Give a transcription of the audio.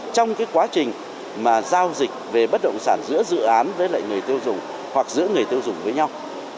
trong cái quá trình mà giao dịch về bất động sản giữa dự án với lại người tiêu dùng hoặc giữa người tiêu dùng với nhau